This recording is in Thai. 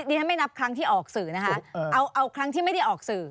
ดิฉันไม่นับครั้งที่ออกสื่อนะคะเอาครั้งที่ไม่ได้ออกสื่อ